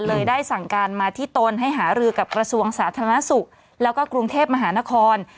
ได้สั่งการมาที่ตนให้หารือกับกระทรวงสาธารณสุขแล้วก็กรุงเทพมหานคร